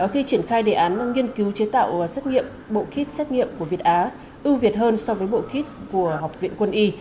khi triển khai đề án nghiên cứu chế tạo xét nghiệm bộ kit xét nghiệm của việt á ưu việt hơn so với bộ kit của học viện quân y